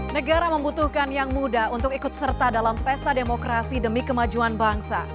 negara membutuhkan yang muda untuk ikut serta dalam pesta demokrasi demi kemajuan bangsa